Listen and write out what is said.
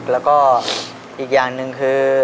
แล้วก็อีกอย่างหนึ่งคือ